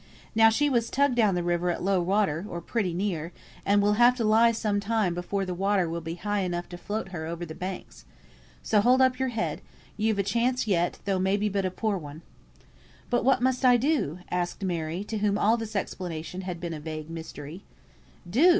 Now, she was tugged down the river at low water, or pretty near, and will have to lie some time before the water will be high enough to float her over the banks. So hold up your head, you've a chance yet, though may be but a poor one." "But what must I do?" asked Mary, to whom all this explanation had been a vague mystery. "Do!"